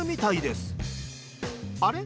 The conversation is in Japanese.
あれ？